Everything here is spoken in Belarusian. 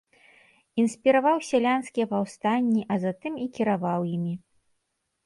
Інспіраваў сялянскія паўстанні, а затым і кіраваў імі.